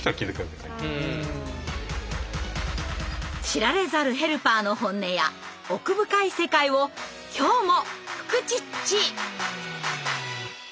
知られざるヘルパーの本音や奥深い世界を今日もフクチッチ！